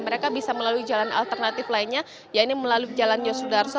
mereka bisa melalui jalan alternatif lainnya ya ini melalui jalan yosudarso